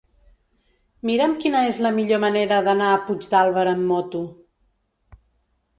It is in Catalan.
Mira'm quina és la millor manera d'anar a Puigdàlber amb moto.